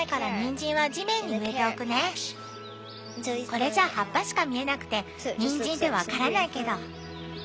これじゃ葉っぱしか見えなくてにんじんって分からないけど。